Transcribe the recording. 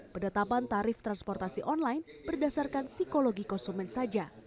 penetapan tarif transportasi online berdasarkan psikologi konsumen saja